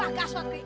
wah gas pak b